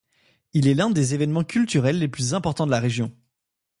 Il est un des événements culturels les plus importants de la région.